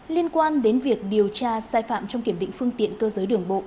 liên quan đến việc điều tra sai phạm trong kiểm định phương tiện cơ giới đường bộ